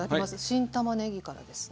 新たまねぎからですね。